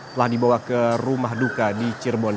telah dibawa ke rumah duka di cirebon